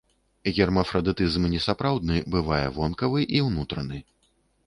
Гермафрадытызм несапраўдны бывае вонкавы і ўнутраны.